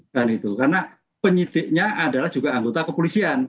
karena penyidiknya adalah juga anggota kepolisian